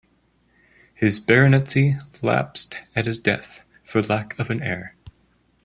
His baronetcy lapsed at his death for lack of an heir.